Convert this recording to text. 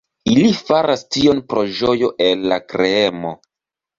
Ili faras tion pro ĝojo el la kreemo.